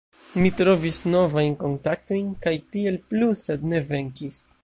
Mi trovis novajn kontaktojn kaj tiel plu sed ne venkis